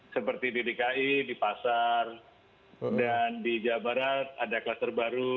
seperti di dki di pasar dan di jawa barat ada kluster baru